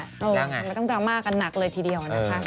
เราทำดรามาต่อกันหนักเลยทีเดียว